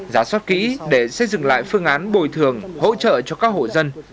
giá soát kỹ để xây dựng lại phương án bồi thường hỗ trợ cho các hộ dân